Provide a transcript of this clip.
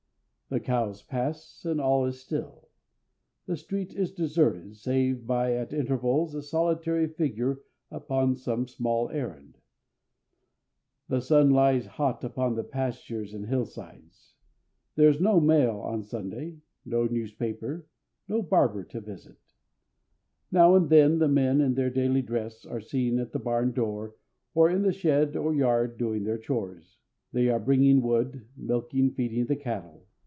The cows pass and all is still. The street is deserted, save by, at intervals, a solitary figure upon some small errand. The sun lies hot upon the pastures and hill sides. There is no mail on Sunday, no newspaper, no barber to visit. Now and then men in their daily dress are seen at the barn door or in the shed or yard doing their chores. They are bringing wood, milking, feeding the cattle.